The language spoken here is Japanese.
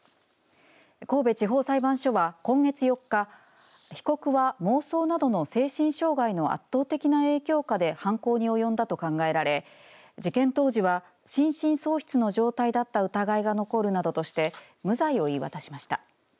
神戸地方裁判所は今月４日、被告は妄想などの精神障害の圧倒的な影響下で犯行におよんだと考えられ事件当時は心神喪失の状態だった疑いが残るなどとして無罪を言い渡しました。